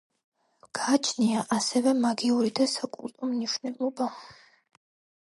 გააჩნია ასევე მაგიური და საკულტო მნიშვნელობა.